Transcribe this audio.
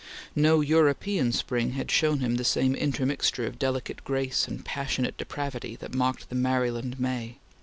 No European spring had shown him the same intermixture of delicate grace and passionate depravity that marked the Maryland May.